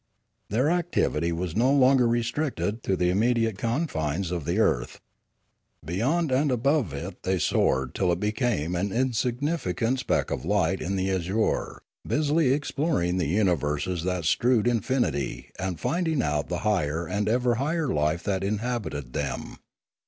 Their activity was no longer restricted to the imme diate confines of the earth. Beyond and above it they 236 Limanora soared till it became an insignificant speck of light in the azure, busily exploring the universes that strewed infinity and finding out the higher and ever higher life that inhabited them.